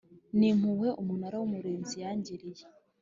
n impuhwe umunara w umurinzi yangiriye